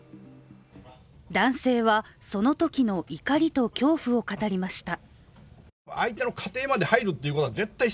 男性は、そのときの怒りと恐怖を語りました。